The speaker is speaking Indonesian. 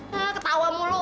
hah ketawa mulu